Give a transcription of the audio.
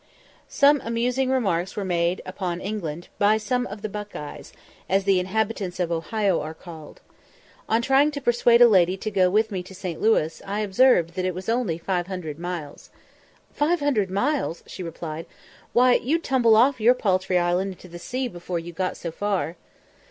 Some amusing remarks were made upon England by some of the "Buckeyes," as the inhabitants of Ohio are called. On trying to persuade a lady to go with me to St. Louis, I observed that it was only five hundred miles. "Five hundred miles!" she replied; "why, you'd tumble off your paltry island into the sea before you got so far!"